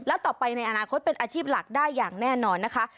และต่อไปในอนาคตเป็นอาชีพหลักได้อย่างแน่นอนนะคะ